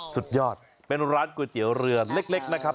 สุดยอดเป็นร้านก๋วยเตี๋ยวเรือเล็กนะครับ